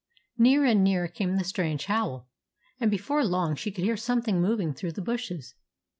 Nearer and nearer came the strange howl, and before long she could hear something moving through the bushes.